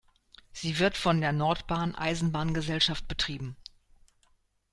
Sie wird von der nordbahn Eisenbahngesellschaft betrieben.